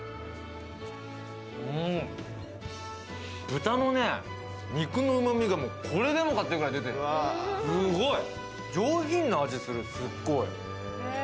豚のね、肉のうまみがこれでもかってくらい出てる、すごい上品な味する、すっごい。